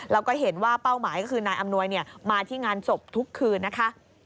แล้วก็เห็นว่าเป้าหมายก็คือนายอำนวยมาที่งานศพทุกคืนนะคะ